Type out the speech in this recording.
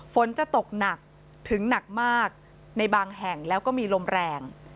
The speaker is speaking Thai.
ฝนจะตกหนักถึงหนักมากในบางแห่งแล้วก็มีลมแรง